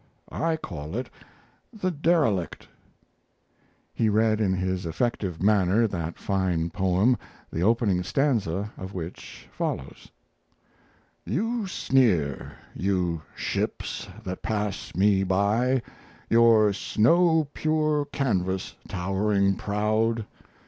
I call it 'The Derelict.'" He read in his effective manner that fine poem, the opening stanza of which follows: You sneer, you ships that pass me by, Your snow pure canvas towering proud!